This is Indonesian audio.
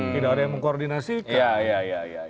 tidak ada yang mengkoordinasikan